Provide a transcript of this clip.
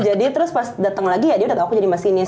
jadi terus pas dateng lagi ya dia udah tau aku jadi mas ini